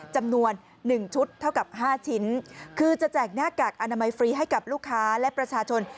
จำนวน๑ชุดเท่ากับ๕ชิ้นคือจะแจกหน้ากากอนามัยฟรีให้กับลูกค้าและประชาชน